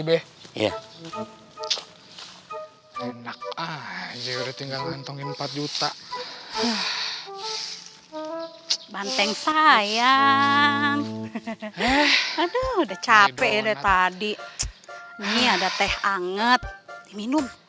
enak aja udah tinggal nontonin empat juta banteng sayang udah capek tadi ini ada teh anget diminum